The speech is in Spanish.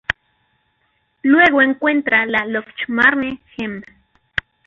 Luego encuentra la Lochmarne-gem.